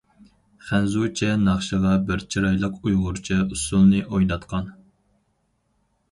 خەنزۇچە ناخشىغا بىر چىرايلىق ئۇيغۇرچە ئۇسسۇلنى ئويناتقان.